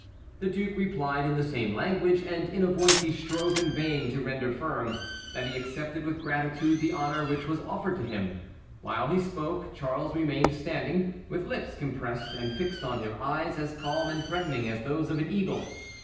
The duke replied in the same language, and in a voice he strove in vain to render firm, that he accepted with gratitude the honor which was offered to him. While he spoke, Charles remained standing, with lips compressed, and fixed on him eyes as calm and threatening as those of an eagle.